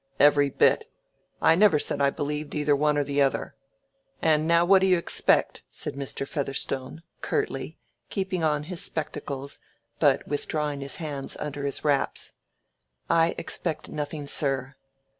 "Every bit. I never said I believed either one or the other. And now what d' you expect?" said Mr. Featherstone, curtly, keeping on his spectacles, but withdrawing his hands under his wraps. "I expect nothing, sir."